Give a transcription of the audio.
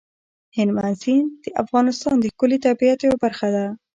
هلمند سیند د افغانستان د ښکلي طبیعت یوه برخه ده.